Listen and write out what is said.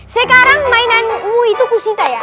sekarang mainanmu itu